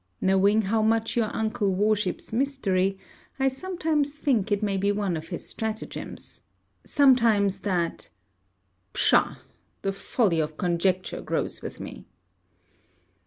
Knowing how much your uncle worships mystery, I sometimes think it may be one of his stratagems; sometimes that Psha! The folly of conjecture grows with me.